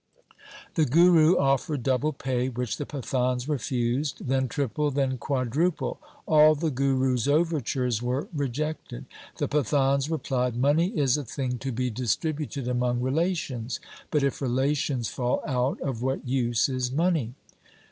1 The Guru offered double pay, which the Pathans refused ; then triple, then quadruple. All the Guru's overtures were rejected. The Pathans replied, ' Money is a thing to be distributed among relations ; but if relations fall out, of what use is money